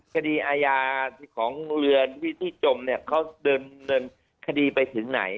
คดีอาญาของเรือนที่จมเนี่ยเขาเดินคดีไปถึงไหน